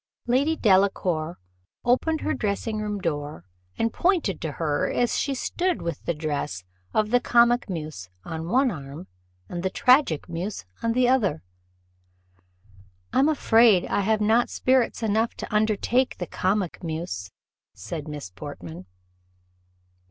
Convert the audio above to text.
Lady Delacour opened her dressing room door, and pointed to her as she stood with the dress of the comic muse on one arm, and the tragic muse on the other. "I am afraid I have not spirits enough to undertake the comic muse," said Miss Portman.